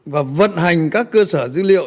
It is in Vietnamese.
và vận hành các cơ sở dữ liệu